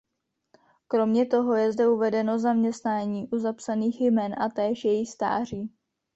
Kromě toho je zde uvedeno zaměstnání u zapsaných jmen a též jejich stáří.